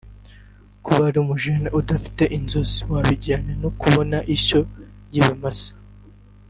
kuba uri umu jeune udafite inzozi wabigereranya no kubona ishyo ry’ibimasa